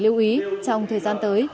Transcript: lưu ý trong thời gian tới